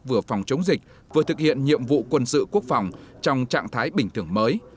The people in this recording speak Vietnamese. vừa phòng chống dịch vừa thực hiện nhiệm vụ quân sự quốc phòng trong trạng thái bình thường mới